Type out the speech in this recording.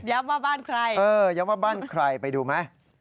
ว่าบ้านใครเออย้ำว่าบ้านใครไปดูไหม